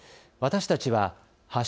私たちは＃